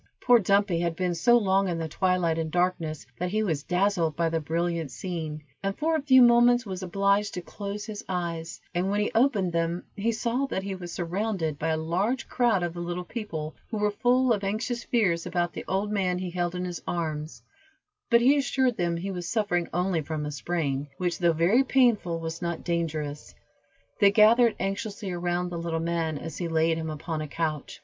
Poor Dumpy had been so long in the twilight and darkness, that he was dazzled by the brilliant scene, and for a few moments was obliged to close his eyes, and when he opened them, he saw that he was surrounded by a large crowd of the little people, who were full of anxious fears about the old man he held in his arms, but he assured them he was suffering only from a sprain, which, though very painful, was not dangerous. They gathered anxiously around the little man as he laid him upon a couch.